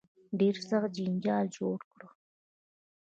ډېر سخت جنجال جوړ کړ.